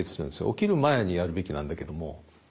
起きる前にやるべきなんだけども。